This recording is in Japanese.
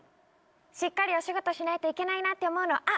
しっかりお仕事しないといけないなって思うの。